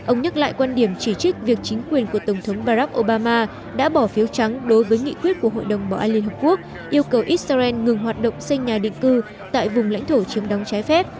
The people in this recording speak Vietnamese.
ông nhắc lại quan điểm chỉ trích việc chính quyền của tổng thống barack obama đã bỏ phiếu trắng đối với nghị quyết của hội đồng bảo an liên hợp quốc yêu cầu israel ngừng hoạt động xây nhà định cư tại vùng lãnh thổ chiếm đóng trái phép